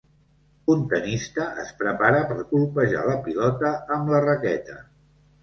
Un tenista es prepara per colpejar la pilota amb la raqueta